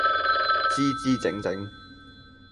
姿姿整整